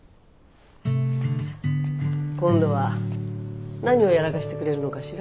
今度は何をやらかしてくれるのかしら？